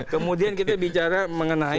kemudian kita bicara mengenai